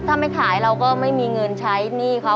ถ้าไม่ขายเราก็ไม่มีเงินใช้หนี้เขา